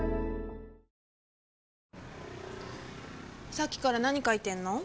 さっきから何書いてんの？